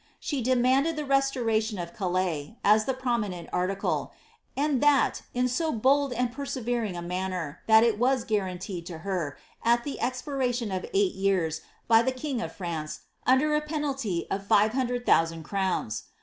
She demanded the restoration of Calais, as the prominent article, and that in so bold and persevering a manner, that it was guaranteed to her, at the expiration of eight years, by the king of France, under a penalty of 500,000 crowns.'